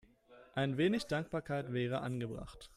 Ein wenig Dankbarkeit wäre angebracht.